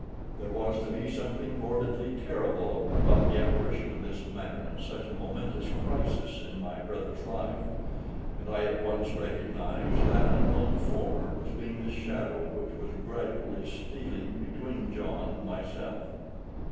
There was to me something morbidly terrible about the apparition of this man at such a momentous crisis in my brother's life, and I at once recognised that unknown form as being the shadow which was gradually stealing between John and myself.